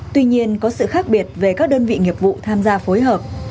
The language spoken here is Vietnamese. tuy nhiên có sự khác biệt về các đơn vị nghiệp vụ tham gia phối hợp